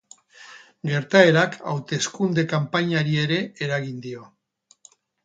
Gertaerak hauteskunde-kanpainari ere eragin dio.